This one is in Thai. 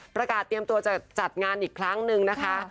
เตรียมตัวจะจัดงานอีกครั้งนึงนะคะ